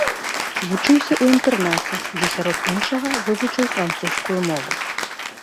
Вучыўся ў інтэрнаце, дзе, сярод іншага, вывучыў французскую мову.